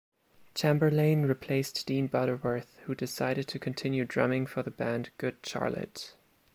Chamberlain replaced Dean Butterworth, who decided to continue drumming for the band Good Charlotte.